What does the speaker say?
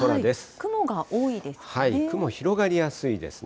雲が多いですね。